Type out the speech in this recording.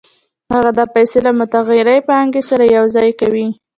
هغه دا پیسې له متغیرې پانګې سره یوځای کوي